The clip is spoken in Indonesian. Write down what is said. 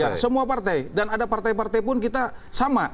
ya semua partai dan ada partai partai pun kita sama